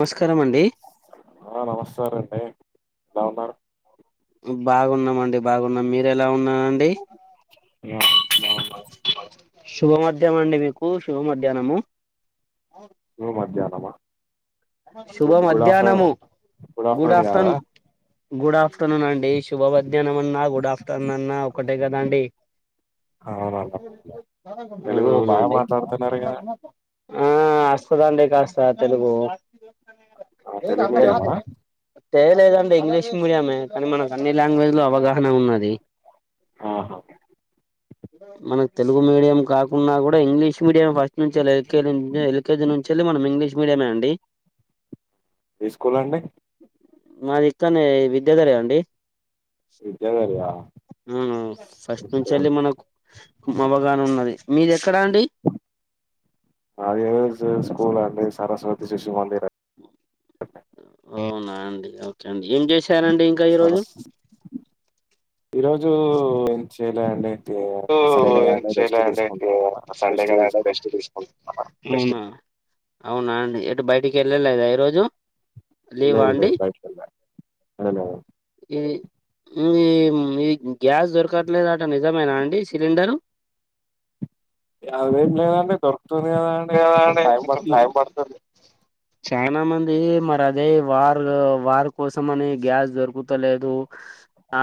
నమస్కారమ్ అండి [unintelligible] బాగున్నారా బాగున్నాం అండి బాగున్నాం మీర ఎలా ఉన్నరూ శుభ మధ్యహ అండి మీకు శుభ మధ్యాహ్నము నువ్ మధ్యాహ్నమా శుభ గుడ్ గుడ్ మధ్యాహ్నము afternoon good afternoon good afternoon అండి శుభ మధ్యాహ్నమన్న గుడ్ ఆఫ్టర్నూన్ అన్నా ఒకటే కద అండి అవునండి ఆ తెలుగు బాగా అవునండి. మాట్లాడుతున్నారు కదా ఆ వస్తుదండి కాస్త తెలుగు ఆ తెలుగు మీడియం మా ఎ లేదండి ఇంగ్లీష్ మీడియమే కానీ మనకు అన్ని లాంగ్వేజ్లో అవగాహన ఉన్నది. ఆహా మనకు తెలుగు మీడియం కాకున్న కూడా ఇంగ్లీష్ మీడియం వచ్ నుంచేలే ఎల్ కే జి నుంచి ఎల్ కే జి నుంచెల్లి మనం ఇంగ్లీష్ మీడియమే అండి. తీసుకూలండి. మాదిక్కనే విద్యాధరీ అండి. విద్యాదారీ ఆ ఉమ్ ఫస్ట్ నుంచి మనకు అవగాహాన ఉన్నది మీది ఎక్కడా అండి. మది ఏదో స్కూల్ అండి సరస్వతి శిశు మందిర్ అవునా అండి ఓకే అండి ఏం చేసారండి ఇంకా ఈరోజు ఈరోజు ఏం చేయలేండి ఓ ఏం చేయలే అండి సండే రెస్ట్ కదా అండి తీసుకో రెస్ట్ తీసుకుంటున్నా అవునా అండి ఎటు బయటికి ఎళ్ళలేదా ఈ రోజు లేవా లేదు అండి లేదు బయటకి వెళ్ళా ఈ ఇమ్ ఈమ్ గ్యాస్ దొరకట్లేదట నిజమేనా అండి ఈ సిలిండరు అదేం లేదండి దొరుకుతుంది. కదా అండి కొంచెం అదే టైం పడుతుంది చానా మంది మరి అదే వారు వారు కోసంమని గ్యాస్ దొరుకుతలేదు.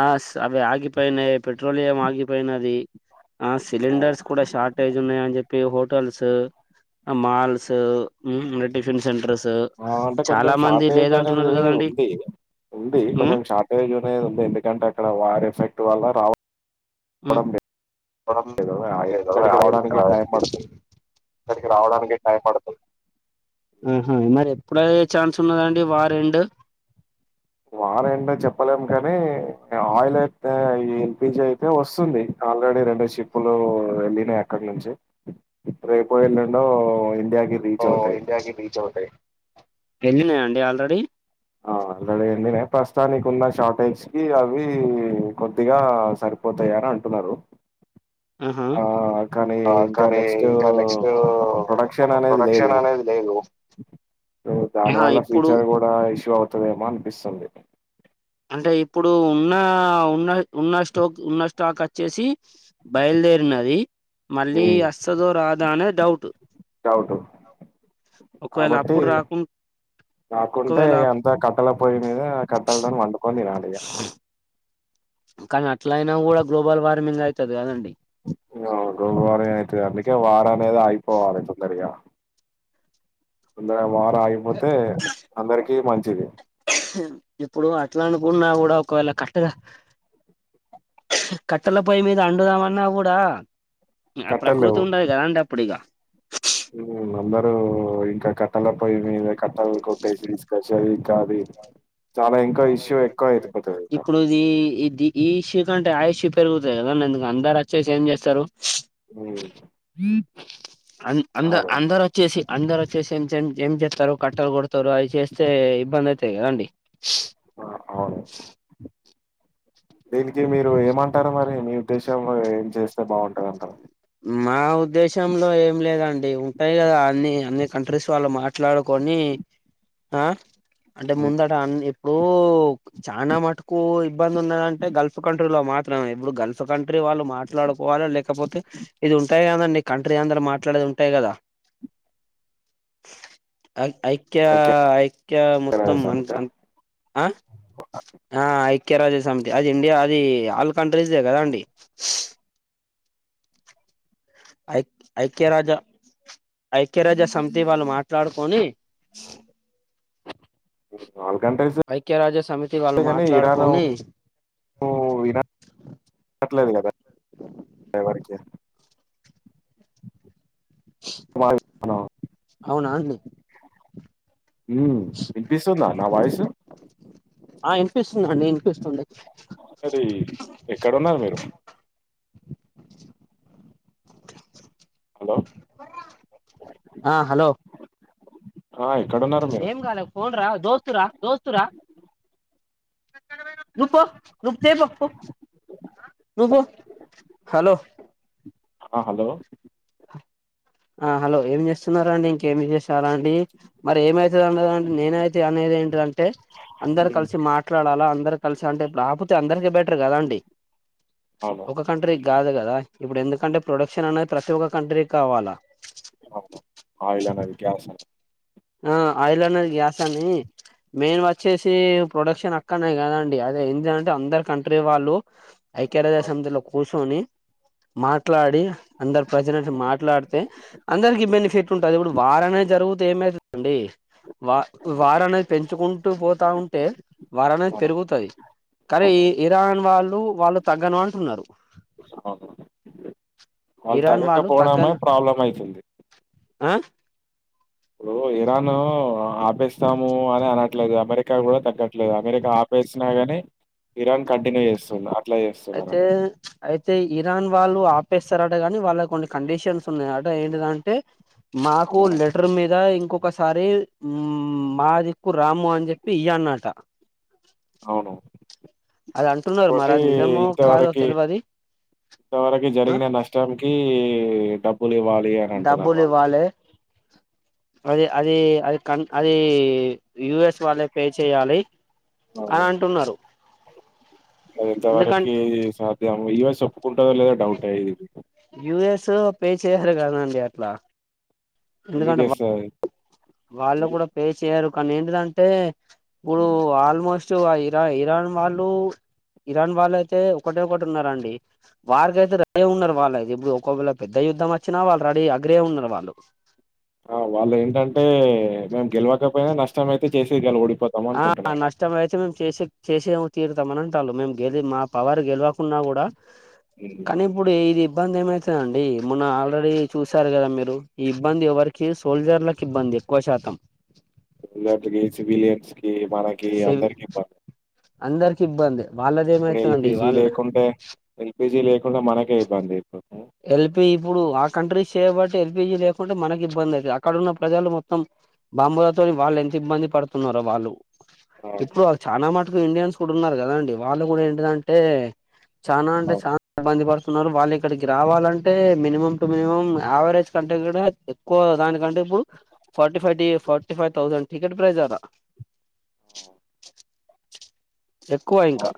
ఆస్ అవి ఆగిపోయినాయి. పెట్రోలియం ఆగిపోయినది. ఆ ఆ సిలిండర్స్ కూడా షార్టేజ్ ఉన్నాయ అని జేప్పి హోటల్స్ ఆ మాల్స్ హుమ్ టిఫిన్ సెంటర్స్ ఆ అంటే కొంచెం చాలా మంది షార్టేజ్ లేదంటున్నారు అనేది కదండి ఉంది. ఉంది ఉమ్, కొంచెం షార్టేజ్ అనేది ఉంది ఎందుకంటే అక్కడ వార్ ఎఫెక్ట్ వల్ల రా బట్ లేదు ఆ ఏదో ఇక్కడికి ఆయిల్ రావడానికి టైం పడుతుంది [unintelligible] ఇక్కడికి రావడానికి టైం పడుతది ఎప్పుడయ్యే ఛాన్స్ ఉన్నదండి వార్ ఎండ్ వార్ ఎండ్ చెప్పలేము. కాని ఆయిల్ అయితే ఎల్ పి జి అయితే వస్తుంది. ఆల్రెడీ రెండు షిప్పులు వెళ్ళినయి అక్కడి నుంచి రేపు వెళ్ళండో ఇండియా ఇండియా కి రిచ్ అవుతాయి వళ్ళినయా అండి ఆల్రెడీ ఆ ఆల్రెడీ వెళ్ళినయ్ ప్రస్తుతానికి ఉన్న షార్టేజ్ కి అవి కొద్దిగా సరిపోతాయని అన్ అంటున్నారు. ఆహా ఆ! కానీ ఆ ఇంకా కానీ నెక్స్టు ఇంకా నెక్స్ట్ ప్రొడక్షన్ అనేది లేదు. ప్రొడక్షన్ అనేది లేదు. సో దాని ఆహా వల్ల ఇప్పుడు ఫీచర్ కూడా ఇష్యూ అవుతుదేమో అనిపిస్తుంది. అంటే ఇప్పుడు ఉన్న ఉన్న ఉన్న స్టోక్ ఉన్న స్టాక్ వచ్చేసి బయలుదేరినది. మళ్ళీ హ్మ్. అస్తదో రాదా అనే డౌట్ డౌట్ ఒకవేళ అప్పుడు రాకున్ రాకుంటే అంతా కట్టల పొయ్యి మీద ఆ కట్టలతో వండుకొని తినాలే ఇగ కానీ అట్ల అయినా కూడా గ్లోబల్ వార్మింగ్ అయి అవు గ్లోబల్ వార్మింగ్ అయితది అవిట్ ఇగ వార్ అనేది ఆగిపోవాలే తొందరగా తొందరగా వార్ ఆగిపోతే అందరికి మంచిది. ఇప్పుడు అట్లా అనుకున్నా కూడా ఒకవేళ కట్టల కట్టెల పొయ్యి మీద అండుదామన్నా కూడా ఆ ప్రకృతి ఉండది కదా అండి అప్పుడు ఇగ మ్మ్ అందరూ ఇంకా కట్టల పోయి మీద కట్టలు కొట్టేసి తీసుకొచ్చి అయి చాది ఇప్పుడు ఇది ఈ ది ఇష్యూ కంటే ఆ ఇష్యూ పెరుగుతయి కదండి ఎందుకు అందరు వచ్చేసి ఏం చేస్తారు మ్మ్ అన్ అంద అందరు వచ్చేసి అందరు వచ్చేసి ఏం చే ఏం చెత్తారు కట్టలు కొడతారు అవి చేస్తే ఇబ్బంది అవుతాయి కదండి ఆ అవును దీనికి మీరు ఏమంటారు మరి మీ ఉద్దేశం ఏం చేస్తే బాగుంటంది అంటారు మా ఉద్దేశంలో ఏం లేదండి ఉంటాయి కదా అన్ని అన్ని కంట్రీస్ వాళ్ళు మాట్లాడుకొని ని ఆ అంటే ఈ ముందట అ ఇప్పుడు చానా మట్టుకు ఇబ్బంది ఉన్నదంటే గల్ఫ్ కంట్రీలో మాత్రమే ఇప్పుడు గల్ఫ్ కంట్రీ వాళ్ళు మాట్లాడు కోవాలా లేకపోతే ఇది ఉంటాయి కదండి కంట్రీ అందరూ మాట్లాడేది ఉంటాయి కదా ఐ ఐక్య ఐక్య ఐక్యరాజ్య మొత్తం సమితా? అ ఆ ఆ ఐ క్యరాజ్యసమితి అ అది ఇండియా అది ఆల్ కంట్రీస్ దే కదా అండి ఐ ఐక్యరాజా ఐక్యరాజ సమితి వాళ్ళు మాట్లాడుకొని [inaudible] ఆల్ కంట్రీసే ఐక్యరాజ్య సమితి వాళ్ళు మాట్లాడుకొని ఓ విన [inaudible] ట్లేదు [unintelligible] కదా ఎవ్వరికి వాయ్ మనం అవునా అండి మ్మ్ వినిపిస్తుందా నా వాయిసు ఆ ఇన్ పిస్తుందండి వినిపిస్తుంది మరి ఎక్కడున్నారు మీరు? హలో. ఆ హలో హాయ్ ఏం కాలే ఫోన్ రా దోస్తురా దోస్తురా నువ్వు పో నువ్వు చెయ్ పో పో ను పో హలో ఆ హలో ఆ హలో ఏమి చేస్తున్నారు అండి ఇంకేమి చేస్తారా అండి మరి ఏమైతుందిండదండి నేనైతే అనేది ఏంట టాంటే అందరు హ్మ్. కలిసి మాట్లాడాలా అందరు కలిసి అంటే రాకపోతే అందరిక బెటర్ కదా అండి అవును. ఒక కంట్రీ కి కాదు కదా ఇప్పుడు ఎందుకంటే ప్రొడక్షన్ అనేది ప్రతి ఒక్క కంట్రీకి కావాలా అవును ఆయిల్ అనేది గ్యాస్ [unintelligible] ఆ ఆయిల్ అన్నది గ్యాస్ అని మెయిన్గా వచ్చేసి ప్రొడక్షన్ అక్కనే కదండి అదే ఇండియా అంటే అందరు కంట్రీ వాళ్ళు ఐక్య అవును. రాజ్యసమితిలో కూసోని మాట్లాడి అందరు ప్రజల [unintelligible] మాట్లాడితే అందరికి బెనిఫిట్ ఉంటది ఇప్పుడు వారనే జరుగుతే ఏమైతద్ అండి వా వర్ అనేది పెంచుకుంటూ పోతా ఉంటే వార్ అనేది అవును. పెరుగుతది కారే అవును. ఈ ఇరాన్ వాళ్ళు వాళ్ళు తగ్గను అంటున్నారు అవును వాళ్ళు ఇరాన్ తగ్గకపోవడమే ప్రాబ్లం అయితుంది అ ఇప్పుడు ఇరాను ఆపేస్తాము అని అనట్లేదు అమెరికా కూడా తగ్గట్లేదు అమెరికా ఆపే ఆపేసినగాని ఇరాన్ కంటిన్యూ చేస్తుంది అట్లా అయితే చేస్తున్నారని అయితే ఇరాన్ వాళ్ళు ఆప్పేస్తారట కానీ వాళ్ళ కొన్ని కండిషన్స్ ఉన్నాయట ఏంటిదంటె మాకు లెటర్ మీద ఇక్కొకసారి మాదిక్కు రాము అని చెప్పి ఇ అన్నట అవును అది అంటున్నారు మరి ఇంకోటి అది నిజమో కాదో తెలివది ఇంతవరకు జరిగిన నష్టంకి డబ్బులు ఇవ్వాలి అని అంటున్నారు డబ్బులు వాళ్ళు ఇవ్వాలి అది అది అది కన్ అది యుఎస్ వాళ్ళ పే చేయ్యాలి అవును అది ఎంత వరకి ఎందుకంటే సాధ్యమో యూఎస్ ఒప్పుకుం టదో లేదో డౌటే యుఎస్ పే చేయాలి కదండి అట్లా ఎందుకు ఎందుకంటే చేస్తది వాళ్ళు హ్మ్. కూడా పే చేయరు కానీ ఏంటిదంటే ఇప్పుడు హ్మ్. ఆల్మోస్ స్ట్ ఇరా ఇరన్ వాళ్ళు ఇరాన్ వాళ్ళు అయితే ఒకటే ఒకటి ఉన్నారండి వారికియితే ర ఉన్నారు వాళ్ళతే ఇప్పుడు ఒకవేల పెద్ద యుద్ధం వచ్చినా వాళ్ళు రడీ అగ్రే ఉన్నారు వాళ్ళు ఆ వాళ్ళు ఏంటంటే మేము గెలవకపోయినా నష్టం అయితే చేసేది కాల డి ఆ నష్టం అయితే మేము చేసే చేసేమో తీరుతామని అంటాలు మేము గెలి మా పవర్ గెలవకుంన్నా కూడా కానీప్పుడు ఇది ఇబ్బంది ఏమైతుండి మొన్న ఆల్రెడీ చూశారు కదా మీరు ఈ ఇబ్బంది ఎవరికి సోల్జర్లలకు ఇబ్బంది ఎక్కువ శాతం ఇలాంటివి సివిలియన్స్ కి మనకి సేవి అందరికి ఇబ్బందే అందరికి ఇబ్బందే ఇప్పుడు ఎల్పిజీ లేకుంటే ఎల్పిజీ లేకుండా మనకే ఇబ్బంది ఇప్పుడు ఎల్పీ ఇప్పుడు ఆ కంట్రీ చేయబట్టి ఎల్పీజీ లేకుంటే మనకి ఇబ్బంది అయితది అక్కడన్న ప్రజలు మొత్తం బాంబూలతో వాళ్ళు ఎంత ఇబ్బంది పడుతున్నారో వాళ్ళు ఇప్పుడు వాళ్ళు చాలా మటుకు ఇండియన్స్ కూడా ఉన్నారు కదాండి వాళ్ళు కూడా ఏంటిదంటే చాలా అంటే అవును చాలా ఇబ్బంది పడుతున్నారు వాళ్ళు ఇక్కడికి రావాలంటే మినిమం టు మినిమం యావరేజ్ కంటే కూడా ఎక్కువ దానికంటే ఇప్పుడు ఫార్టీ ఫైవ్ టి forty five thousand ticket price ఆడ అవ్ ఎక్కువ ఇంకా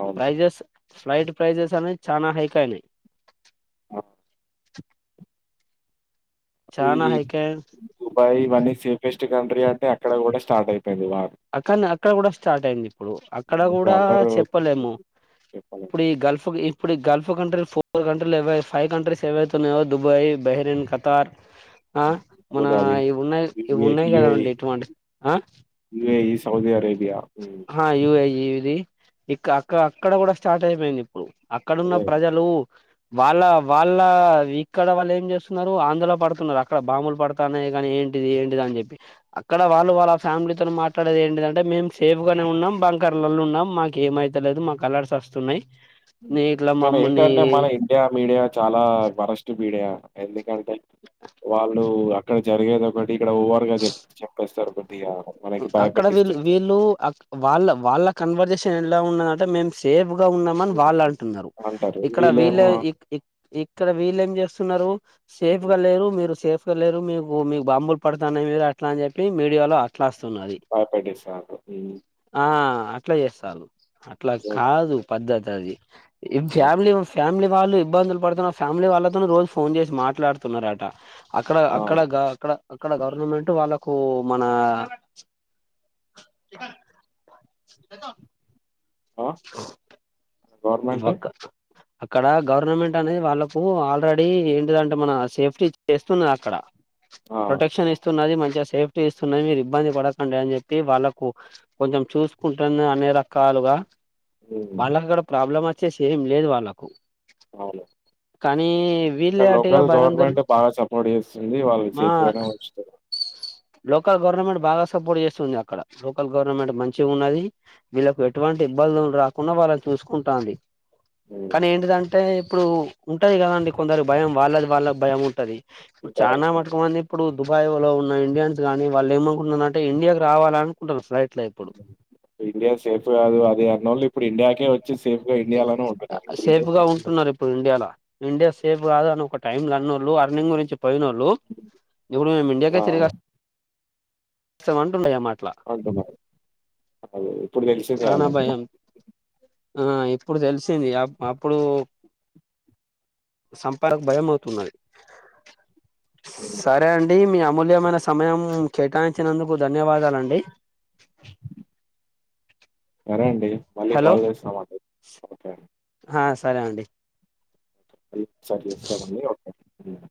అవును ప్రైజెస్ ఫ్లైట్ ప్రైజెస్ అనీ చాల హైక్ అయినాయి ఆ చానా హైక్ అయి దుబాయ్ ఇవి అన్ని సేఫెస్ట్ కంట్రీ అంటే అక్కడ కూడా స్టార్ట్ అయిపోయింది వా అక్కడ అక్కడ కూడా స్టార్ట్ అయింది ఇప్పుడు అక్కడ ఇప్పుడు కూడా అందరూ చెప్పలేము చెప్పాలి ఇప్పుడు ఈ గల్ఫ్ ఇప్పుడు ఈ గల్ఫ్ కంట్రీలు ఫోర్ కంట్రీలువై ఫైవ్ కంట్రీస్ ఏవైతున్నాయో దుబాయ్ బెహరన్ కతార్ ఆ మన అబుదాబి ఇవి ఉన్నాయి ఇవి యుఏ ఉన్నాయి కదా అండి ఎటువంటి ఆ ఇ ఈ సౌది అరేబి ఆ యయుఐజి ఇది ఇక్క అక్క అక్కడ కూడా స్టార్ట్ అయిపోయింది ఇప్పుడు అక్కడున్న అదే ప్రజలు వాళ్ళ వాళ్ళ ఇక్కడ వాళ్ళు ఏం చేస్తున్నారు ఆందులో పడుతున్నారు అక్కడ బాంబులు పడుతాన్నాయి కానీ ఏ ఏంటిది ఏంటిది అని చెప్పి అక్కడ వాళ్ళు వాళ్ళ ఫ్యామిలీతో మాట్లాడేది ఏంటిదంటె మేం సేపు్గానే ఉన్నాం బంకర్లలో ఉన్నాం మాకు ఏమయితలేదు మా కలర్స్ వస్తున్నాయి్ కానీ ఏంటంటే మన ఇండియా మీడియా చాలా వరస్ట్ మీడియా ఎందుకంటే వాళ్ళు అక్కడ జరిగేది ఒకటి ఇక్కడ ఓవర్ గా చె చెప్పేస్తారు కొద్దిగా మనకి అక్కడ వీళ్ళు భయపెట్టిస్తారు వీళ్ళు వాళ్ళ వాళ్ళ కన్వర్జేషన్ ఎలా ఉన్నదాంటే మేము సేఫ్ ఉన్నామని వాళ్ళు అంటున్నారు అంటారు ఇక్కడ వీళ వీళ్ళేమో ఇ ఇ ఇక్కడ వీళం చేస్త సేఫ్ గా లేరు మీరు సేఫ్ లేరు మీకు మీకు బాంబులు పడుతుా మీద అట్లా అని చెప్పి మీడియాలో స్తున్నది భయపెట్టిస్తారు హ్మ్. ఆ అట్లా చేస్తారు అట్లా కాదు పద్దతి ఆది ఫ్యామిలీ ఫ్యామిలీ వాళ్ళు ఇబ్బందులు పడుతున్న ఫ్యామిలీ వాళ్ళతో రోజు ఫోన్ చేసి మాట్లాడుతున్నారట అక్కడ ఆ! అక్కడ అక్కడ అక్కడ గవర్నమెంట్ వాళ్ళకు మన [inaudible] ఆ గవర్మెంట్ వక్క అక్కడ గవర్నమెంట్ అనేది వాళ్ళలకు ఆల్రెడీ ఏంటిదంటే మన సేఫ్టీ చేస్తున్నది అక్కడ ఆ! ప్రొటెక్షన్ ఇస్తున్నది మంచిగా సేఫ్టీ ఇస్తున్నాయి మీరు ఇబ్బంది పడకండి అని చెప్పి వాళ్ళలకు కొంచెం చూసుకుంటునే అన్ని రకాలుగా హ్మ్. వాళ్ళకి అక్కడ ప్రాబ్లం వచ్చేసి ఏం లేదు వాళ్ళలకు అవును కానీ ఇక్క వీళ్ళే అటిగా లోకల్ భయందోళన గవర్నమెంట్ బాగా సపోర్ట్ చేస్తుంది వాళ్ళు మా సేఫ్ గానే ఉంచుత లోకల్ గవర్నమెంట్ బాగా సపోర్ట్ చేస్తుంది అక్కడ లోకల్ గవర్నమెంట్ మంచిగా ఉన్నది వీళ్ళలకు ఎటువంటి ఇబ్బందులు రాకుండా వాళ్ళని చూసుకుంటాంది హ్మ్. కానీ ఏంటిదంటే ఇప్పుడు ఉంటది కదాండి కొందరి భయం వాళ్ళది వాళ్ళ భయం ఉంటది ఇప్పుడు ఉంటారు. చాలనాా మటుకంమంది ఇప్పుడు దుబాయ్ లో ఉన్న ఇండియన్స్ కానీ వాళ్ళు ఏమనుకుంటున్నారుారంటే ఇండియాకి రావాల అనుకుంటన్నారు ఫ్లైట్ లో ఇప్పుడు ఇండియా సేఫ్ కాదు అదే అన్నోన్లీ ఇప్పుడు ఇండియాకే వచ్చ సేఫ్ గా అంటున్నారు. ఉంటున్నారు ఇప్పుడు ఇండియా లో ఇండియా సేఫ్ కాదు అని ఒక టైమ్ లో అన్నోళ్ళు అర్నింగ్ గురించి పోయినోళ్ళు ఇప్పుడు మేము ఆ! ఇండియాకే తెరిగి స్తాం అంటుండయి మాట అంటే అదే ఇప్పుడు తెలిసింది చానా వాళ్ళకి భయం ఆ ఇప్పుడు తెలిసింది అ అప్పుడు సంపాదకు భయంమవుతున్నది హ్మ్. సరే అండి మీ అమూల్యమైన సమయం కేటాయి ఇచ్చినందుకు ధన్యవాదాలండి సరేండి హలో అండి. ఆ సరే అండి మళ్ళీ ఒక సారి చేస్తారండి ఒకే హ్మ్మ్